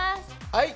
はい。